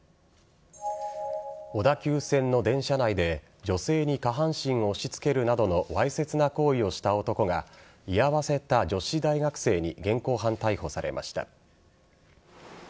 小田急線の電車内で女性に下半身を押し付けるなどのわいせつ行為をした男が居合わせた女子大学生に現行犯逮捕されました。